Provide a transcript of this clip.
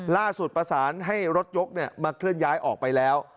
ล่าสุดประสานให้รถยกมาเคลื่อนย้ายออกไปแล้ว